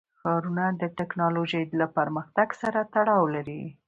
ښارونه د تکنالوژۍ له پرمختګ سره تړاو لري.